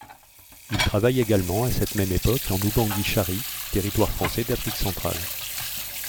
Il travaille également à cette même époque en Oubangui-Chari, territoire français d'Afrique Centrale.